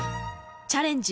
「チャレンジ！